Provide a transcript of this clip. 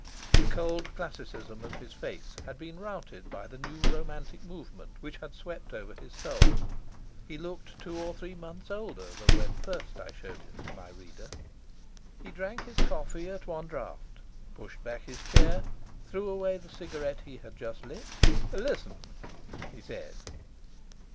The cold classicism of his face had been routed by the new romantic movement which had swept over his soul. He looked two or three months older than when first I showed him to my reader. He drank his coffee at one draught, pushed back his chair, threw away the cigarette he had just lit. "Listen!" he said.